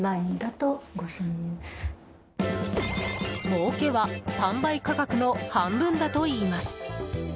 もうけは販売価格の半分だといいます。